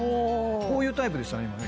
こういうタイプでしたね